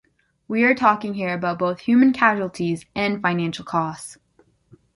We are talking here about both human casualties and financial costs.